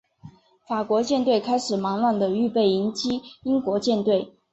法国舰队开始忙乱地预备迎击英国舰队。